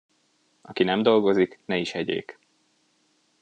Aki nem dolgozik, ne is egyék.